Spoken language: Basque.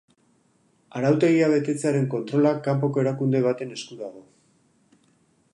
Arautegia betetzearen kontrola kanpoko erakunde baten esku dago.